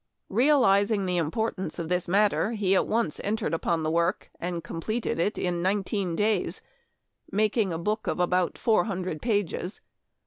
Realizing the importance of this matter, he at once entered upon the work, and completed it in nineteen days, making a book of about four hundred pages.